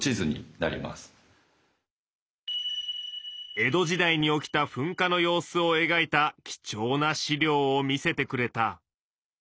江戸時代に起きた噴火の様子をえがいた貴重な史料を見せてくれた。